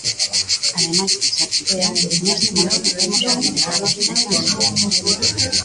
Ademais de ser ficción, neste momento temos que liberarnos desa ansiedade.